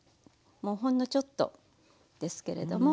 もうほんのちょっとですけれども。